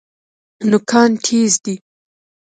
نوکان تیز دي.